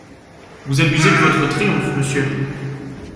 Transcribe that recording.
Vous abusez de votre triomphe, monsieur.